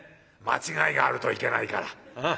間違いがあるといけないから。